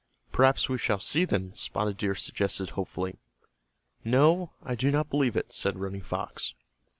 "Perhaps we shall see them," Spotted Deer suggested, hopefully. "No, I do not believe it," said Running Fox.